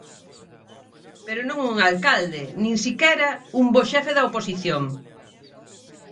Pero non un alcalde, nin sequera un bo xefe da oposición.